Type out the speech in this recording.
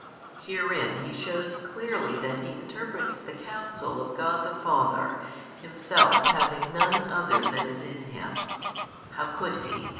Herein He shews clearly that He interprets the Counsel of God the Father, Himself having none other than is in Him (how could He?